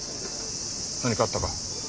何かあったか？